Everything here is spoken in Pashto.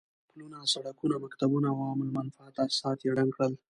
پلونه، سړکونه، مکتبونه او عام المنفعه تاسيسات يې ړنګ کړل.